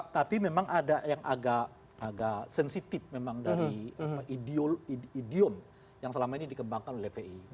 tapi memang ada yang agak sensitif memang dari idiom yang selama ini dikembangkan oleh fi